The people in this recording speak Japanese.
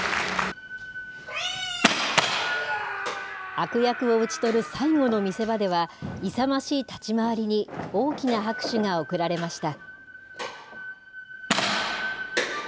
悪役を討ち取る最後の見せ場では、勇ましい立ち回りに、大きな拍手が送られました。